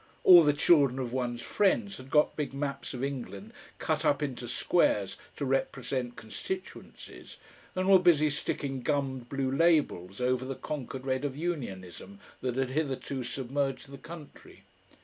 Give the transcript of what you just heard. All the children of one's friends had got big maps of England cut up into squares to represent constituencies and were busy sticking gummed blue labels over the conquered red of Unionism that had hitherto submerged the country.